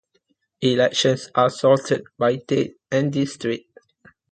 Elections are sorted by date and district.